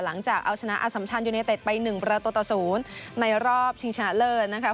หลังจากเอาชนะอสัมชันยูเนเต็ดไป๑ประตูต่อ๐ในรอบชิงชนะเลิศนะคะ